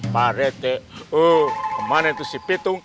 pak rete oh kemana itu si pitung